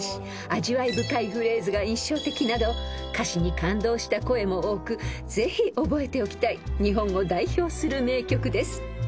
［「味わい深いフレーズが印象的」など歌詞に感動した声も多くぜひ覚えておきたい日本を代表する名曲です］